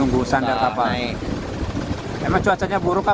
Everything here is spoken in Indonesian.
kne gaining kalem atas padangnya di kompis badian petang antarabahala